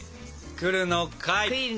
来るのかい。